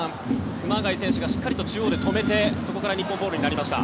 熊谷選手がしっかり中央で止めてそこから日本ボールになりました。